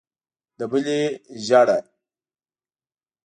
د بلې ژېړه.